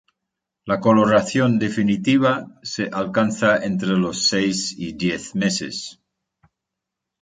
La coloración definitiva se alcanza entre los seis y diez meses.